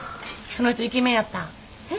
その人イケメンやった？へ？